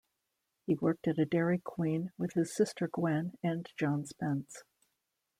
He worked at a Dairy Queen with his sister Gwen and John Spence.